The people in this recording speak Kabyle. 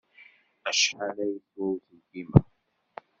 Acḥal ay yeswa uselkim-a?